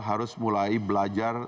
harus mulai belajar